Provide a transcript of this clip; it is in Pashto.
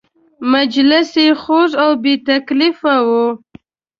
مجلس یې خوږ او بې تکلفه و.